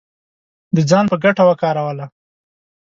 د ځان په ګټه وکاروله